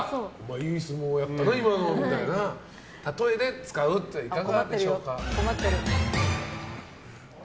いい相撲やったな、今のみたいな例えで使うというのはいかがでしょうか？